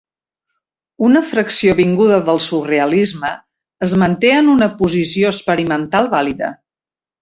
Una fracció vinguda del surrealisme es manté en una posició experimental vàlida.